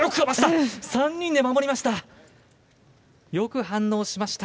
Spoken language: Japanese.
３人で守りました。